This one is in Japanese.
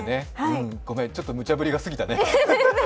ごめん、ちょっとむちゃブリが過ぎたね。